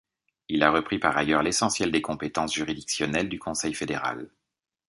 Il a repris par ailleurs l'essentiel des compétences juridictionnelles du Conseil fédéral.